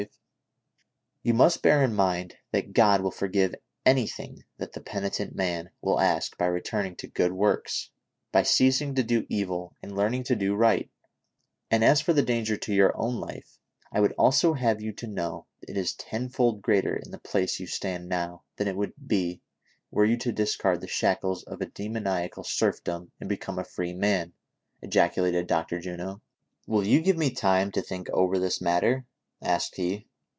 ■' 236 THE SOCIAL WAR OF 1900; OR, "You must bear in mind that God will forgive anything that the penitent man will ask by returning to ' good loorks ;' by ceasing to do evil and learning to do right ; and as for the danger to your own life, I would also have you to know it is tenfold greater in the place you stand now than it would be were you to discard the shackles of demoniacal serfdom and become a free man !" ejaculated Dr. Juno. "Will you give me time to think over this matter?" asked he.